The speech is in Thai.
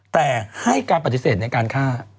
แต่ให้การปฏิเสธในการฆ่า